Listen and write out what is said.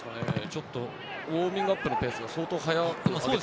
ちょっとウォーミングアップのペースが相当早くなってますね。